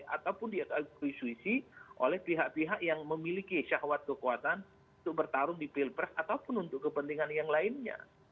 ataupun diakuisisi oleh pihak pihak yang memiliki syahwat kekuatan untuk bertarung di pilpres ataupun untuk kepentingan yang lainnya